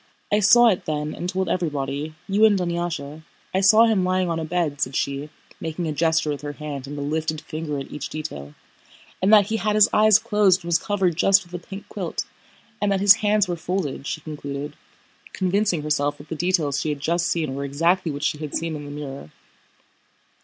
"I saw it then and told everybody, you and Dunyásha. I saw him lying on a bed," said she, making a gesture with her hand and a lifted finger at each detail, "and that he had his eyes closed and was covered just with a pink quilt, and that his hands were folded," she concluded, convincing herself that the details she had just seen were exactly what she had seen in the mirror.